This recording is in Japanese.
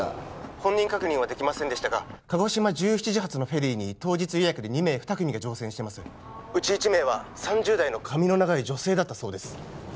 ☎本人確認はできませんでしたが鹿児島１７時発のフェリーに当日予約で２名２組が乗船してますうち１名は３０代の髪の長い女性だったそうです